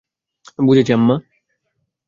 বুঝেছি, আম্মা।